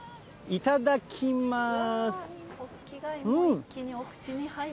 いただきます。